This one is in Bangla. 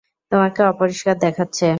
তোমাকে অপরিষ্কার দেখাচ্ছে।